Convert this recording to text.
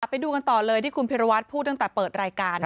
ไปดูกันต่อเลยที่คุณพิรวัตรพูดตั้งแต่เปิดรายการ